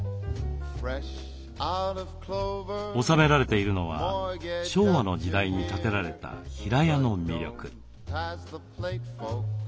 収められているのは昭和の時代に建てられた平屋の魅力。